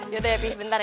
yaudah ya pi bentar ya